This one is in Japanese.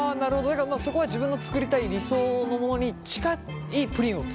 だからそこは自分の作りたい理想のものに近いプリンを使う？